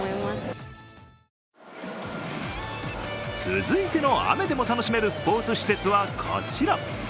続いての雨でも楽しめるスポーツ施設はこちら。